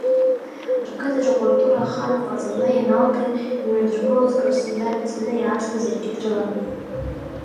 Рқыҭаҿы акультура Ахан ҟаҵаны ианалга иҩнадыргылоз Краснодар ицаны иаазгаз иаргьы дрылан.